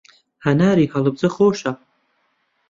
هەناری هەڵەبجە خۆشە.